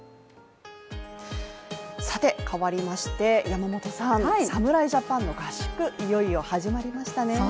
かわりまして、山本さん、侍ジャパンの合宿、いよいよ始まりましたね。